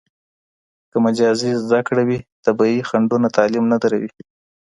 که مجازي زده کړه وي، طبیعي خنډونه تعلیم نه دروي.